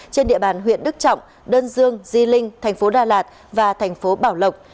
trên địa bàn huyện đức trọng đơn dương di linh thành phố đà lạt và thành phố bảo lộc